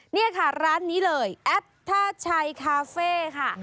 นี่ค่ะร้านนี้เลยแอดท่าชัยคาเฟ่ค่ะ